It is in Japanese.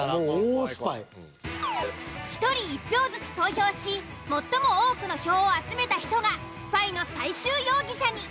１人１票ずつ投票し最も多くの票を集めた人がスパイの最終容疑者に。